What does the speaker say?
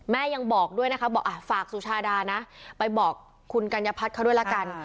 แม่ยังบอกด้วยนะคะบอกอ่ะฝากสุชาดานะไปบอกคุณกัญญาพัดเขาด้วยแล้วกัน